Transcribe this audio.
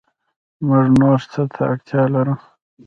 موږ نور څه ته اړتیا لرو